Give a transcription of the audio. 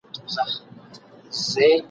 پسرلی به راته راوړي په اورغوي کي ګلونه !.